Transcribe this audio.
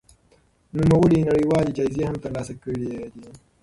نوموړي نړيوالې جايزې هم ترلاسه کړې دي.